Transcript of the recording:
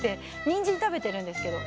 にんじんたべてるんですけど。